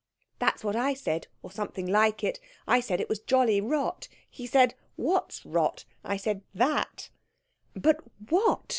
"That's what I said or something like it. I said it was jolly rot. He said, 'What's rot?' I said 'That.'" "But what?"